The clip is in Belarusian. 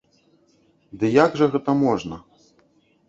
Ды як жа гэта можна?